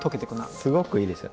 すごくいいですよね。